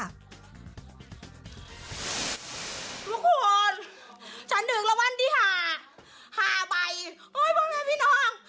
ทุกคนฉันถือกละวันที่หา๕ใบเพราะแม่พี่น้อง